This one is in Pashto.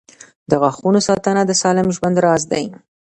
• د غاښونو ساتنه د سالم ژوند راز دی.